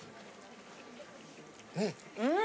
うん。